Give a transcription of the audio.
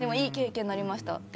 いい経験になりました。